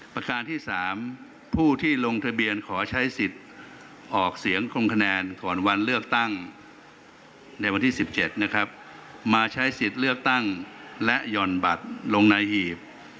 ประการที่๓ผู้ที่ลงทะเบียนขอใช้สิทธิ์ออกเสียงลงคะแนนก่อนวันเลือกตั้งในวันที่๑๗นะครับมาใช้สิทธิ์เลือกตั้งและหย่อนบัตรลงในหีบ